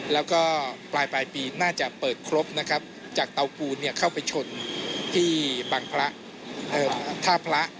และปลายปีในสี่บาทจะเปิดครบจากเตาปูนเข้าไปชนท่าพระ